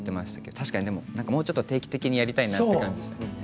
確かにもう少し定期的にやりたいなっていう感じでしたね。